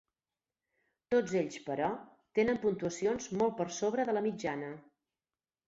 Tots ells, però, tenen puntuacions molt per sobre de la mitjana.